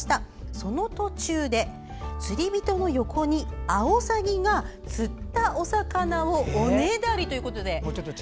その途中で、釣り人の横にアオサギが釣ったお魚をおねだりということで。